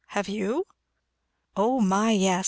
"Have you?" "O my, yes!